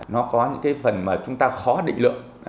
nó có những cái phần mà chúng ta khó định lượng